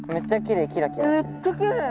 めっちゃきれい。